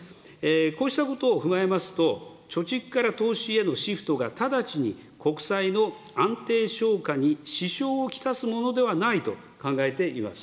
こうしたことを踏まえますと、貯蓄から投資へのシフトが直ちに国債の安定しょうかに支障を来すものではないと考えています。